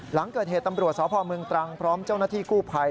หลังเกิดเหตุตำรวจสพเมืองตรังพร้อมเจ้าหน้าที่กู้ภัย